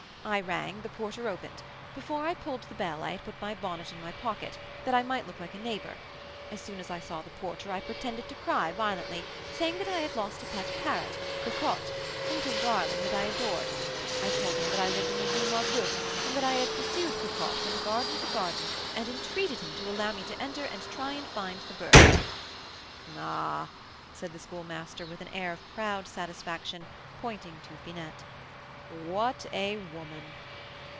I rang; the porter opened. Before I pulled the bell I had put my bonnet in my pocket, that I might look like a neighbour. As soon as I saw the porter I pretended to cry violently, saying that I had lost a pet parrot, Cocotte, a little darling that I adored. I told him I lived in the Rue Marboeuf, and that I had pursued Cocotte from garden to garden, and entreated him to allow me to enter and try and find the bird." "Ah!" said the Schoolmaster, with an air of proud satisfaction, pointing to Finette, "what a woman!"